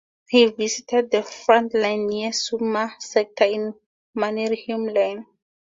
He visited the front line near the Summa sector of the Mannerheim line.